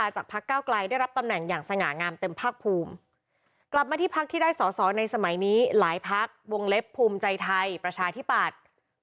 ใจไทยประชาธิปัตย์